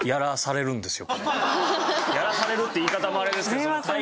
「やらされる」って言い方もあれですけど。